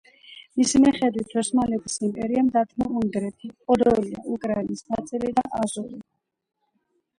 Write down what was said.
მისი მიხედვით ოსმალეთის იმპერიამ დათმო უნგრეთი, პოდოლია, უკრაინის ნაწილი და აზოვი.